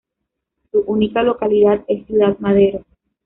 Su única localidad es Ciudad Madero.